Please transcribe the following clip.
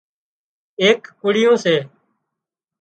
ايڪ ڪُڙيون سي